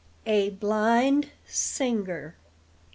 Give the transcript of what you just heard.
A BLIND SINGER.